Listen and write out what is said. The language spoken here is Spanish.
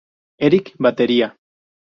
Eric: batería.